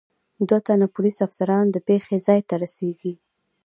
دو تنه پولیس افسران د پېښې ځای ته رسېږي.